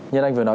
như anh vừa nói